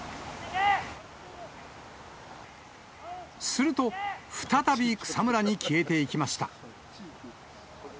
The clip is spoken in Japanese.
すると、再び草むらに消えていきました。